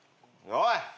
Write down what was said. おい！